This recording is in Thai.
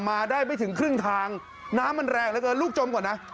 มาได้ไม่ถึงครึ่งทางน้ำมันแรงเหลือเกินลูกจมก่อนนะ